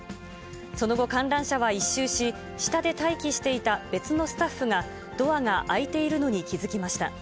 その後、観覧車は１周し、下で待機していた別のスタッフが、ドアが開いているのに気付きました。